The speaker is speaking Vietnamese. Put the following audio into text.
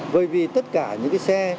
bởi vì tất cả những cái xe